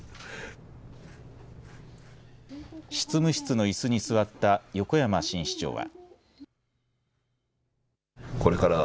執務室のいすに座った横山新市長は。